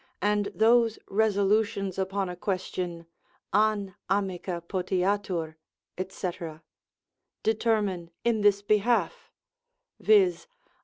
and those resolutions upon a question, an amica potiatur, &c.) determine in this behalf, viz.